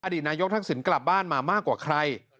ดีตนายกทักษิณกลับบ้านมามากกว่าใคร